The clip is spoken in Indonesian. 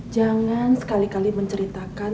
jangan sekali kali menceritakan